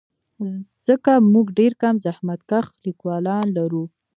ځکه موږ ډېر کم زحمتکښ لیکوالان لرو.